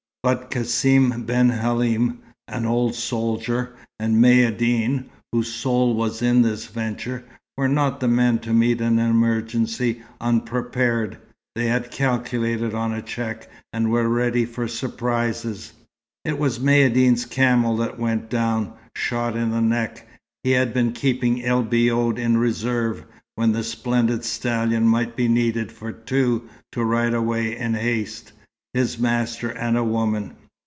But Cassim ben Halim, an old soldier, and Maïeddine, whose soul was in this venture, were not the men to meet an emergency unprepared. They had calculated on a check, and were ready for surprises. It was Maïeddine's camel that went down, shot in the neck. He had been keeping El Biod in reserve, when the splendid stallion might be needed for two to ride away in haste his master and a woman.